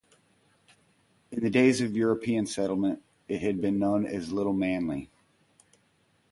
In the early days of European Settlement it had been known as Little Manly.